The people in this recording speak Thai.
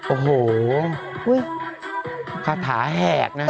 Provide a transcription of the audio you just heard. โอ้โหคาถาแหกนะฮะ